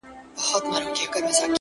• دومره پوه نه سوم ښځه که نر یې,